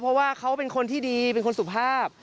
เพราะว่าเขาเป็นคนที่ดีเป็นคนสุภาพ